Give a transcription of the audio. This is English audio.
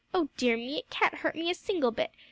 Oh dear me! it can't hurt me a single bit.